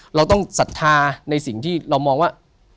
เราต้องศรัทธาในสิ่งที่เรามองว่า